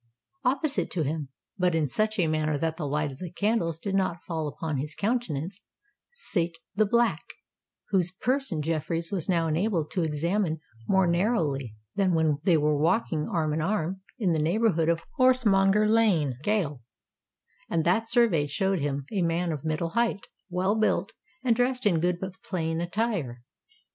Opposite to him, but in such a manner that the light of the candles did not fall upon his countenance, sate the Black, whose person Jeffreys was now enabled to examine more narrowly than when they were walking arm in arm in the neighbourhood of Horsemonger Lane Gaol; and that survey showed him a man of middle height, well built, and dressed in good but plain attire.